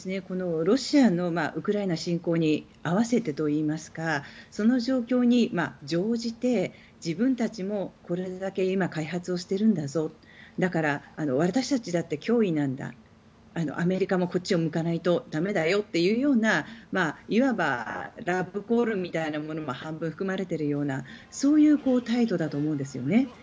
このロシアのウクライナ侵攻に合わせてといいますかその状況に乗じて自分たちもこれだけ今、開発をしてるんだぞだから私たちだって脅威なんだアメリカもこっちを向かないと駄目だよというようないわばラブコールみたいなものも半分含まれているようなそういう態度だと思うんですよね。